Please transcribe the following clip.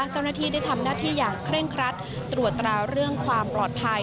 เจ้าหน้าที่ได้ทำหน้าที่อย่างเคร่งครัดตรวจตราเรื่องความปลอดภัย